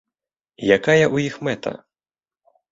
Якая ў іх мэта?